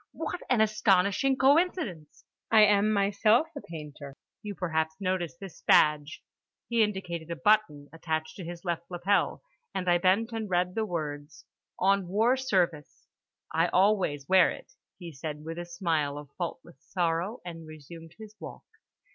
"What an astonishing coincidence! I am myself a painter. You perhaps noticed this badge"—he indicated a button attached to his left lapel, and I bent and read the words: On War Service. "I always wear it," he said with a smile of faultless sorrow, and resumed his walk.